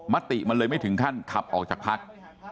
มติมันเลยไม่ถึงขั้นขับออกจากพัก